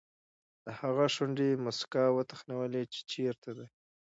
د هغه شونډې موسکا وتخنولې چې چېرته دی.